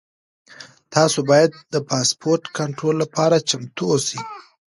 تاسو باید د پاسپورټ کنټرول لپاره چمتو اوسئ.